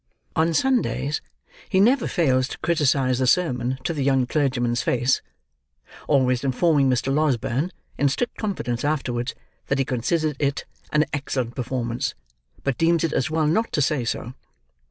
On Sundays, he never fails to criticise the sermon to the young clergyman's face: always informing Mr. Losberne, in strict confidence afterwards, that he considers it an excellent performance, but deems it as well not to say so.